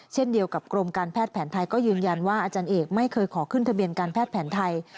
เช่นเดียวกับกรมการแพทย์แผนไทยก็ยืนยันว่าอาจารย์เอกไม่เคยขอขึ้นทะเบียนการแพทย์แผนไทย